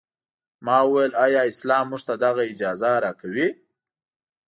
ما وویل ایا اسلام موږ ته دغه اجازه راکوي.